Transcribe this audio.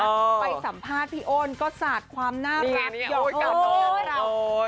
ไปสัมภาษณ์พี่อ้อนก็สาดความน่ารัก